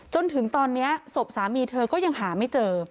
จนถึงตอนนี้ศพสามีเธอก็ยังหาไม่เจอ